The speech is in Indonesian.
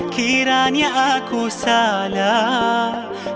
kiranya aku salah